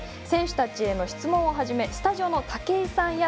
選手たちへの質問をはじめスタジオの武井さん